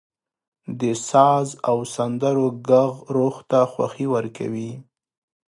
• د ساز او سندرو ږغ روح ته خوښي ورکوي.